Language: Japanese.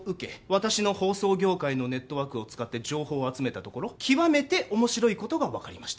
私の法曹業界のネットワークを使って情報を集めたところ極めて面白いことが分かりました